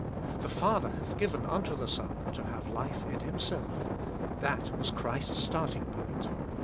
The Father hath given unto the Son to have life in Him self. That was Christ's starting point.